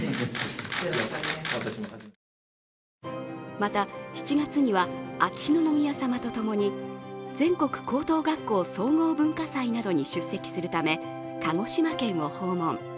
また、７月には秋篠宮さまとともに全国高等学校総合文化祭などに出席するため鹿児島県を訪問。